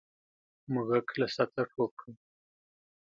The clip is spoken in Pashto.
موږک له سطله ټوپ کړ.